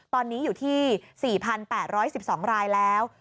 ตอนนี้อยู่ที่๔๘๑๒รายแล้ว